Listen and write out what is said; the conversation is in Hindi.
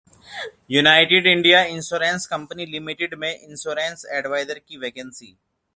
United India Insurance Company Limited में इंश्योरेंस एडवाइजर की वैकेंसी